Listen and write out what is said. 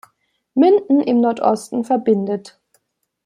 Münden im Nordosten verbindet.